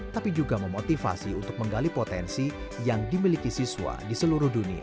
tapi juga memotivasi untuk menggali potensi yang dimiliki siswa di seluruh dunia